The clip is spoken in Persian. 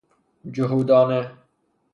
جهودانه